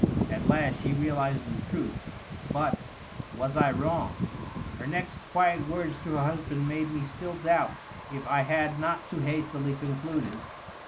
^ At last she realizes the truth.' But .. was I wrong? Her next quiet words to her husband made me still doubt if I had not too hastily concluded.